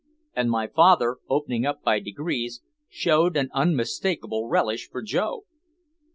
And my father, opening up by degrees, showed an unmistakable relish for Joe.